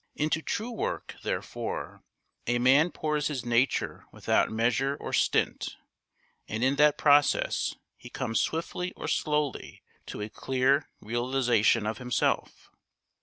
Into true work, therefore, a man pours his nature without measure or stint; and in that process he comes swiftly or slowly to a clear realisation of himself.